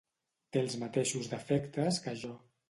Té els mateixos defectes que jo.